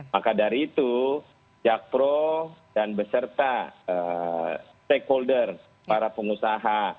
maka dari itu jakpro dan beserta stakeholder para pengusaha